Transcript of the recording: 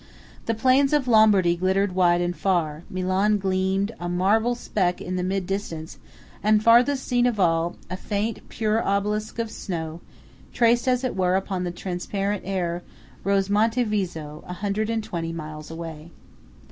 The plains of Lombardy glittered wide and far; Milan gleamed, a marble speck, in the mid distance; and farthest seen of all, a faint, pure obelisk of snow, traced as it were upon the transparent air, rose Monte Viso, a hundred and twenty miles away.